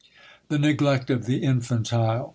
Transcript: *The Neglect of the Infantile.